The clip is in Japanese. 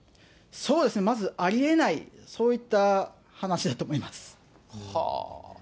そうですね、まずありえない、そういった話だと思います。